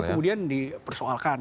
itu kemudian dipersoalkan